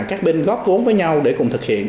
các bên góp vốn với nhau để cùng thực hiện